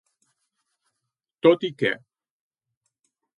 Tot i que.